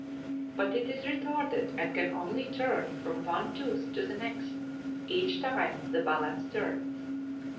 But it is retarded and can only turn from one tooth to the next, each time the balance (8) turns.